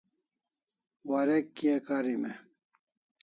Warek kia karim e?